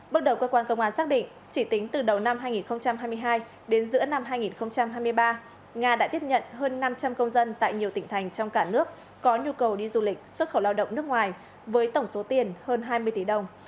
bước đầu cơ quan công an xác định chỉ tính từ đầu năm hai nghìn hai mươi hai đến giữa năm hai nghìn hai mươi ba nga đã tiếp nhận hơn năm trăm linh công dân tại nhiều tỉnh thành trong cả nước có nhu cầu đi du lịch xuất khẩu lao động nước ngoài với tổng số tiền hơn hai mươi tỷ đồng